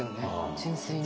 純粋に。